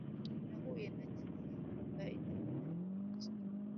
Nahuye na kazitunga igihe nari i Boston